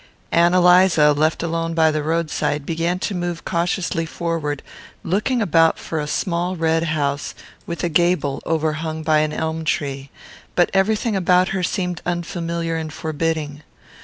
Ann Eliza, left alone by the roadside, began to move cautiously forward, looking about for a small red house with a gable overhung by an elm tree; but everything about her seemed unfamiliar and forbidding.